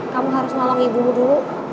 kamu harus nolong ibumu dulu